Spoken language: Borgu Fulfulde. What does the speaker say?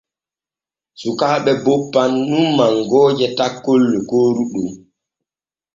Cukaaɓe boppan nun mangooje takkol lokooru ɗon.